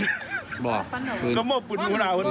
กะโม่ปืนหนูนาว